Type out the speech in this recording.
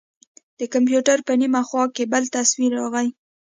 د کمپيوټر په نيمه خوا کښې بل تصوير راغى.